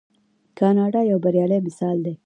کاناډا یو بریالی مثال دی.